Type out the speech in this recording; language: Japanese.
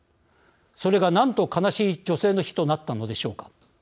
それが何と悲しい女性の日となったことでしょうか。